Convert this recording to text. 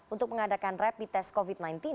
untuk mengadakan rapid test covid sembilan belas